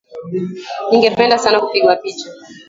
Ningependa sana kupigwa picha.